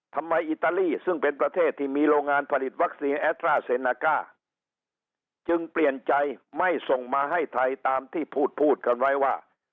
อิตาลีซึ่งเป็นประเทศที่มีโรงงานผลิตวัคซีนแอดร่าเซนาก้าจึงเปลี่ยนใจไม่ส่งมาให้ไทยตามที่พูดพูดกันไว้ว่า